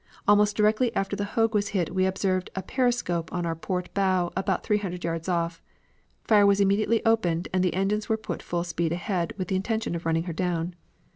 Almost directly after the Hogue was hit we observed a periscope on our port bow about three hundred yards off. Fire was immediately opened, and the engines were put full speed ahead with the intention of running her down.